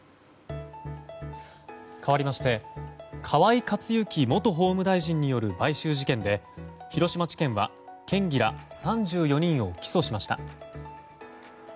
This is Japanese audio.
かわりまして河井克行元法務大臣による買収事件で広島地検は県議ら３４人を起訴しました。